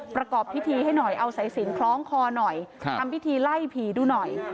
ประกอบพิธีให้หน่อยเอาสายสินคล้องคอหน่อยทำพิธีไล่ผีดูหน่อย